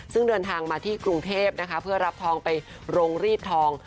ซึ่งเดินทางมาที่กรุงเทพนะคะเพื่อรับทองไปโรงรีดทอง